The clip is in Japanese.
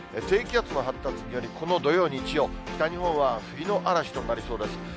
低気圧の発達により、この土曜、日曜、北日本は冬の嵐となりそうです。